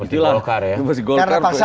seperti golkar ya